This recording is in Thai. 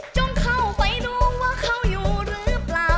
เข้าไปดูว่าเขาอยู่หรือเปล่า